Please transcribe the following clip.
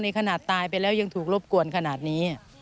ขนาดตายไปแล้วยังถูกรบกวนขนาดนี้